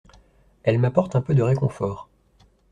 Elle m'apporte un peu de réconfort.